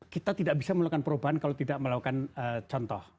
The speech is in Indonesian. kita tidak bisa melakukan perubahan kalau tidak melakukan contoh